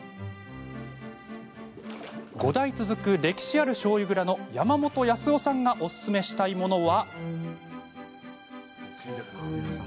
５代続く歴史あるしょうゆ蔵の山本康夫さんがおすすめしたいものは。